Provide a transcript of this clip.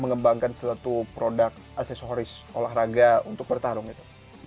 menggembangkan suatu produk aksesoris olahraga untuk bertarung gitu